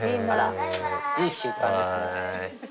いい習慣ですね。